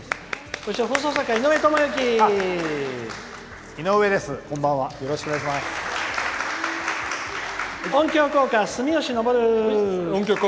そして、放送作家、井上知幸！